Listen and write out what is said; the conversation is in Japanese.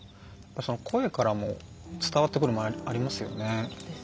声からも伝わってくるものありますよね。